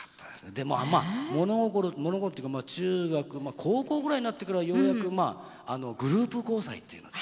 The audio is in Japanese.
でもまあ物心物心っていうか中学高校ぐらいになってからはようやくグループ交際っていうのね。